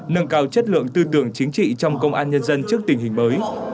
nâng cao chất lượng tư tưởng chính trị trong công an nhân dân trước tình hình mới